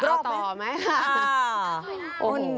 จะเอาต่อไหม